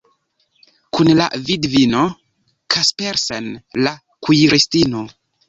Kun la vidvino Kaspersen, la kuiristino.